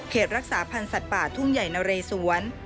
รักษาพันธ์สัตว์ป่าทุ่งใหญ่นะเรสวน